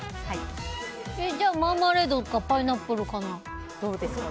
じゃあ、マーマレードかパイナップルかな。